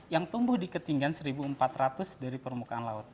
yang tumbuh di ketinggian satu empat ratus dari permukaan laut